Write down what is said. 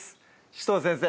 紫藤先生